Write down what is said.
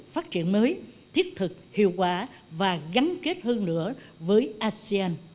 phát triển mới thiết thực hiệu quả và gắn kết hơn nữa với asean